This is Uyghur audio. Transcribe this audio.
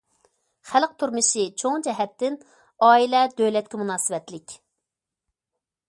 خەلق تۇرمۇشى چوڭ جەھەتتىن ئائىلە دۆلەتكە مۇناسىۋەتلىك.